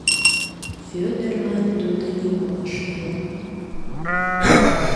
Вӧдырлан тудо нимом ыш ойло.